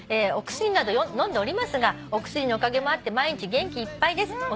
「お薬など飲んでおりますがお薬のおかげもあって毎日元気いっぱいです」